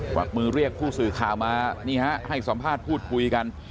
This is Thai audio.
วักมือเรียกผู้สื่อข่าวมานี่ฮะให้สัมภาษณ์พูดคุยกัน